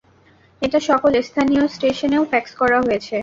এটা সকল স্থানীয় স্টেশনেও ফ্যাক্স করা হয়েছে।